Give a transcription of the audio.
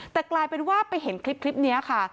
แต่กลายเป็นว่าไปเห็นคลิปนี้ค่ะ